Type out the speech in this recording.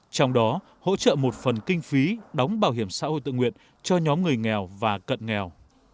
trong đó hỗ trợ một phần kinh phí đóng bảo hiểm xã hội tự nguyện cho nhóm người nghèo và cận nghèo